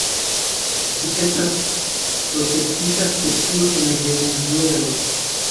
Ĝi estas protektita specio en Venezuelo.